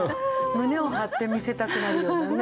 胸を張って見せたくなるようなね。